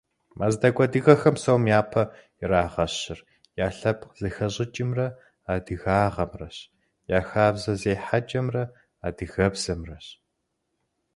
Мэздэгу адыгэхэм псом япэ ирагъэщыр я лъэпкъ зэхэщӏыкӏымрэ адыгагъэмрэщ, я хабзэ зехьэкӏэмрэ адыгэбзэмрэщ.